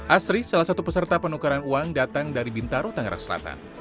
asri salah satu peserta penukaran uang datang dari bintaro tangerang selatan